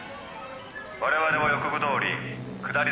我々は予告どおり下り